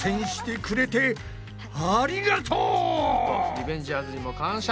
リベンジャーズにも感謝。